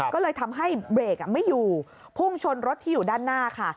ก็เลยทำให้เบรกไม่อยู่พุ่งชนรถที่อยู่ด้านหน้าค่ะ